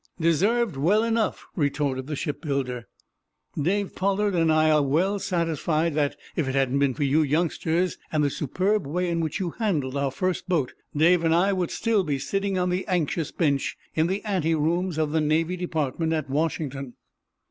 "Deserved, well enough," retorted the shipbuilder. "Dave Pollard and I are well enough satisfied that, if it hadn't been for you youngsters, and the superb way in which you handled our first boat, Dave and I would still be sitting on the anxious bench in the ante rooms of the Navy Department at Washington."